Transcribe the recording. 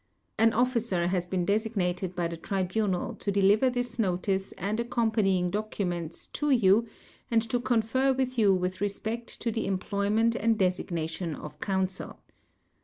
An officer has been designated by the Tribunal to deliver this Notice and accompanying documents to you and to confer with you with respect to the employment and designation of counsel.